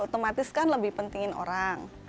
otomatis kan lebih pentingin orang